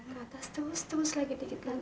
ke atas terus terus lagi